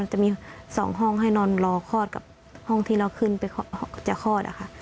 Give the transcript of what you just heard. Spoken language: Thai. จะมี๒ห้องให้นอนรอคลอดกับห้องที่เราขึ้นไปจะคลอดอะค่ะ